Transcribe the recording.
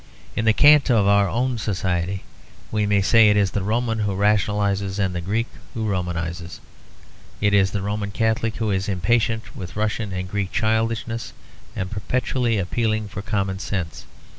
In the cant of our own society, we may say it is the Roman who rationalises and the Greek who Romanises. It is the Roman Catholic who is impatient with Russian and Greek childishness, and perpetually appealing for common sense.